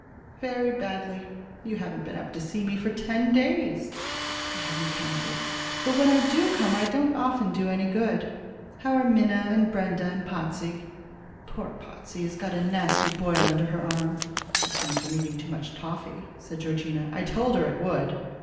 "Very badly. You haven't been up to see me for ten days." "I haven't counted; but when I do come I don't often do any good. How are Minna, and Brenda, and Potsey?" "Poor Potsey has got a nasty boil under her arm." "It comes from eating too much toffy," said Georgina. "I told her it would."